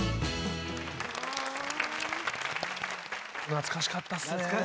懐かしかったっすね。